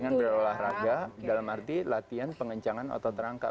dengan berolahraga dalam arti latihan pengencangan otot rangka